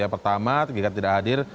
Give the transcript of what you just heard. pertama jika tidak hadir